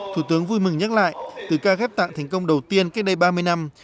thủ tướng vui mừng nhắc lại từ ca ghép tạng thành công đầu tiên cách đây ba mươi năm